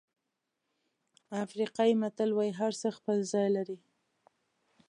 افریقایي متل وایي هرڅه خپل ځای لري.